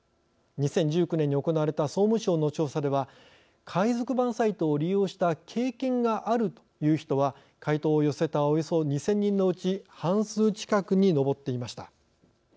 ２０１９年に行われた総務省の調査では海賊版サイトを利用した経験があるという人は回答を寄せたおよそ２，０００人のうち半数近くに上っていました。